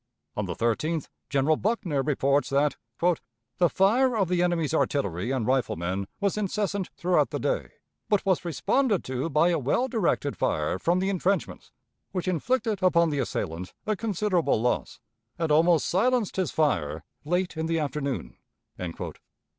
On the 13th General Buckner reports that "the fire of the enemy's artillery and riflemen was incessant throughout the day; but was responded to by a well directed fire from the intrenchments, which inflicted upon the assailant a considerable loss, and almost silenced his fire late in the afternoon."